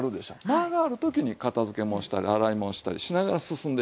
間がある時に片づけもんしたり洗いもんしたりしながら進んでいくんですわ。